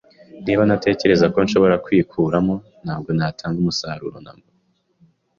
Niba natekerezaga ko nshobora kwikuramo, ntabwo natanga umusoro namba.